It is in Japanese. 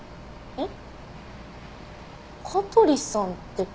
えっ！？